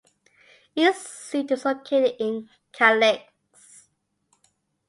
Its seat is located in Kalix.